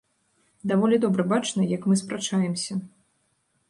Даволі добра бачна, як мы спрачаемся.